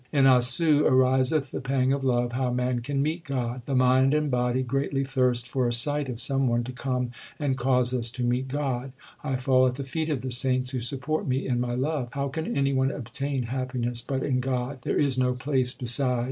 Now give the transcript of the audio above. In Assu ariseth the pang of love how man can meet God. The mind and body greatly thirst for a sight of some one to come and cause us to meet God. I fall at the feet of the saints who support me in my love. How can any one obtain happiness but in God ? there is no place beside.